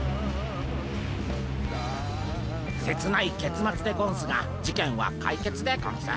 切ないけつまつでゴンスが事件は解決でゴンス。